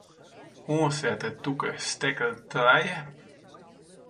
Oansette tûke stekker trije.